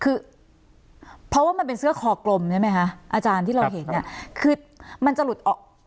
คือเพราะว่ามันเป็นเสื้อคอกลมใช่ไหมคะอาจารย์ที่เราเห็นเนี่ยคือมันจะหลุดออก